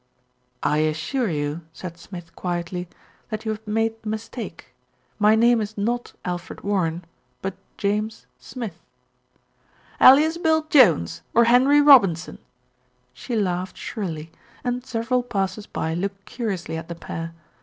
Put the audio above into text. "I assure you," said Smith quietly, "that you have made a mistake. My name is not Alfred Warren; but James Smith." "Alias Bill Jones, or Henry Robinson." She laughed shrilly, and several passers by looked curiously at the pair.